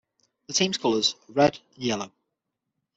The team's colours are red and yellow.